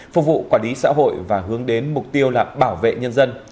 phục vụ quản lý xã hội và hướng đến mục tiêu là bảo vệ nhân dân